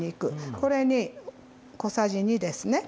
これに小さじ２ですね。